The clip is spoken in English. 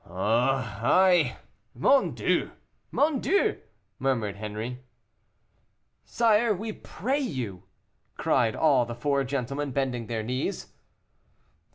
"Oh I mon Dieu! mon Dieu!" murmured Henri. "Sire, we pray you," cried all the four gentlemen, bending their knees.